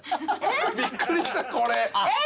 びっくりしたこれ。